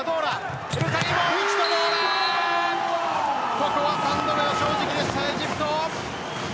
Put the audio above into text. ここは３度目の正直でしたエジプト。